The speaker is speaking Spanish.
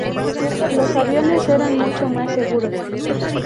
Los aviones eran mucho más seguros.